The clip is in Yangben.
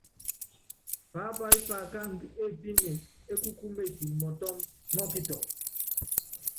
Paápayɔ́ paakándɔ́ épine é ku kúmesi mɔtɔ́mb mɔ́ kitɔŋ.